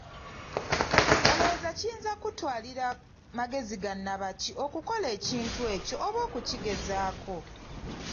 Olowooza kiyinza kukutwalira magezi ga nnabaki okukola ekintu ng'ekyo oba okukigezaako?